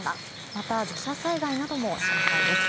また、土砂災害なども心配です。